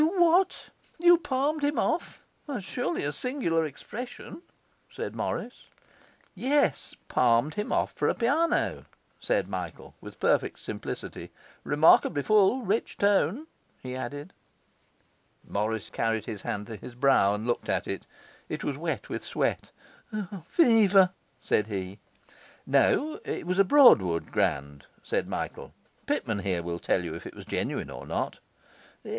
'You what? You palmed him off? That's surely a singular expression,' said Morris. 'Yes, palmed him off for a piano,' said Michael with perfect simplicity. 'Remarkably full, rich tone,' he added. Morris carried his hand to his brow and looked at it; it was wet with sweat. 'Fever,' said he. 'No, it was a Broadwood grand,' said Michael. 'Pitman here will tell you if it was genuine or not.